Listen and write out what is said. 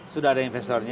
sudah ada investornya